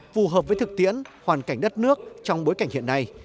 phù hợp với thực tiễn hoàn cảnh đất nước trong bối cảnh hiện nay